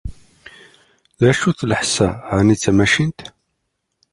D acu-t lḥess-a? ɛni d tamacint?